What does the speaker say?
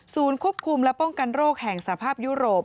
ควบคุมและป้องกันโรคแห่งสภาพยุโรป